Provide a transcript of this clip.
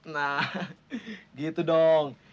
nah gitu dong